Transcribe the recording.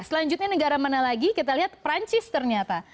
selanjutnya negara mana lagi kita lihat perancis ternyata